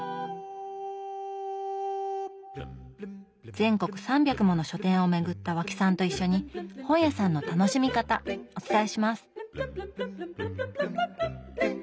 全国３００もの書店を巡った和氣さんと一緒に本屋さんの楽しみ方お伝えします！